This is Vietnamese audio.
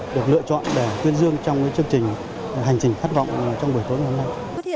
được lựa chọn để tuyên dương trong chương trình hành trình khát vọng trong buổi tối hôm nay